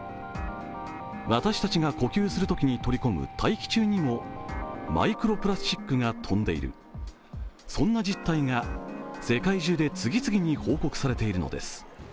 私たちが呼吸するときに取り込む大気中にもマイクロプラスチックが飛んでいる、そんな実態が世界中で次々に報告されているのです。